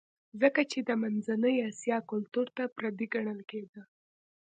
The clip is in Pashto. ځکه چې د منځنۍ اسیا کلتور ته پردی ګڼل کېده